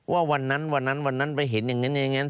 ว่าวันนั้นวันนั้นวันนั้นไปเห็นอย่างนั้น